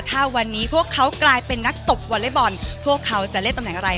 ถ้าพวกเขาเป็นนักตบวอร์ไดบอร์นพวกเขาจะเล่นตำแหน่งอะไร